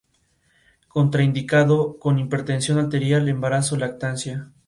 Actualmente el distrito está representado por el Republicano Lee Terry.